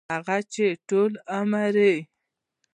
هغـې چـې ټـول عـمر يـې